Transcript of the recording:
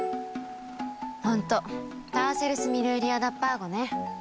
本当ターセルス・ミルーリア・ダ・パーゴね。